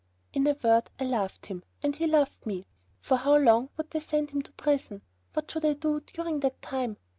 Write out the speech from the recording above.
In a word, I loved him, and he loved me. For how long would they send him to prison? What should I do during that time?